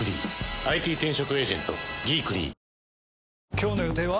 今日の予定は？